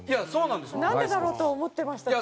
なんでだろうとは思ってました。